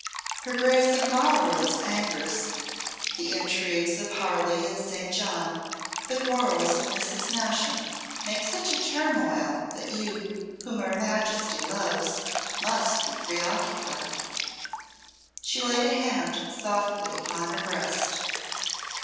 Her Grace of Marlborough's angers, the intrigues of Harley and St. John, the quarrels of Mrs. Masham, make such a turmoil that you, whom her Majesty loves, must be preoccupied." She laid a hand softly upon her breast.